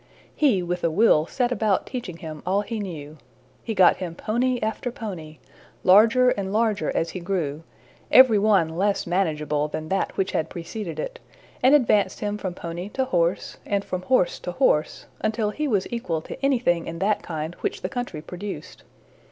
He with a will set about teaching him all he knew. He got him pony after pony, larger and larger as he grew, every one less manageable than that which had preceded it, and advanced him from pony to horse, and from horse to horse, until he was equal to anything in that kind which the country produced.